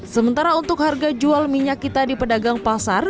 sementara untuk harga jual minyak kita di pedagang pasar